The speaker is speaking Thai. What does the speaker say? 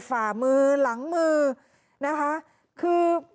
ฝ่ามือหลังมือ